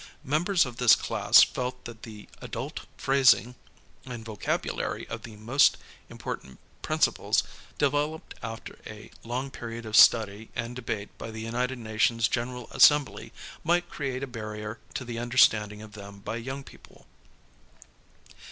Members of this class felt that "the adult phrasing and vocabulary of the imi)ortant principles, developed after a long period of study and debate by the United Nations General Assembly, might create a barrier to the understanding of them by young people.